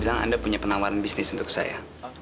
bilang anda punya penawaran bisnis untuk saya